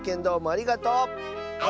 ありがとう！